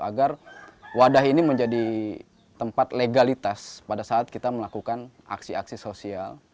agar wadah ini menjadi tempat legalitas pada saat kita melakukan aksi aksi sosial